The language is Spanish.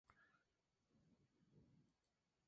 Además no fue capaz de adaptarse al estilo de vida italiano.